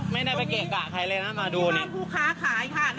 ไม่ได้ไปเกะกะใครเลยนะมาดูนี่